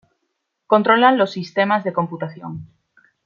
controlan los sistemas de computación